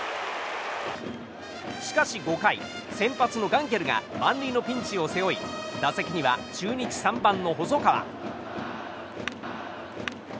しかし、５回先発のガンケルが満塁のピンチを背負い打席には中日、３番の細川。